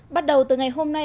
bắt đầu từ ngày hôm nay